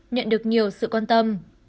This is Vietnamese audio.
nhận được nhiều sự quan tâm